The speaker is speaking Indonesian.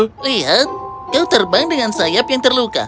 ayo lihat kau terbang dengan sayap yang terluka